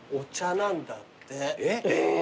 えっ！